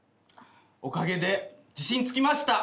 おかげで自信つきました。